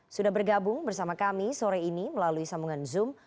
sudah bergabung bersama kami sore ini melalui sambungan zoom